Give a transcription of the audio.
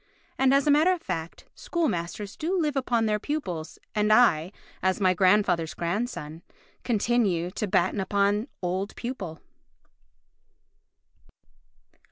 And as a matter of fact, school masters do live upon their pupils, and I, as my grandfather's grandson, continue to batten upon old pupil.